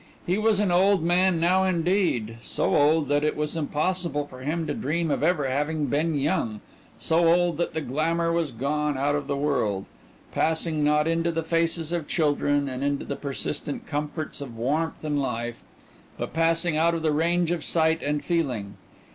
He was an old man now indeed, so old that it was impossible for him to dream of ever having been young, so old that the glamour was gone out of the world, passing not into the faces of children and into the persistent comforts of warmth and life, but passing out of the range of sight and feeling.